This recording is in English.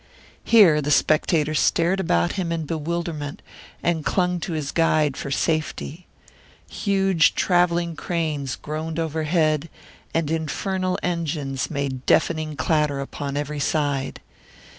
Here the spectator stared about him in bewilderment and clung to his guide for safety; huge travelling cranes groaned overhead, and infernal engines made deafening clatter upon every side.